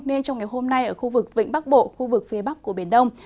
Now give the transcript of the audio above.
nên trong ngày hôm nay ở khu vực vĩnh bắc bộ khu vực phía bắc của biển đông